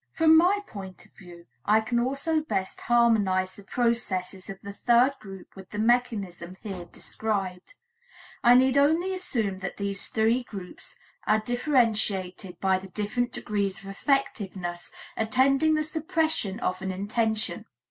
From my point of view, I can also best harmonize the processes of the third group with the mechanism here described. I need only assume that these three groups are differentiated by the different degrees of effectiveness attending the suppression of an intention.